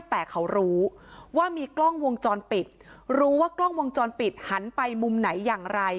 แต่เขารู้ว่ามีกล้องวงจรปิดรู้ว่ากล้องวงจรปิดหันไปมุมไหนอย่างไร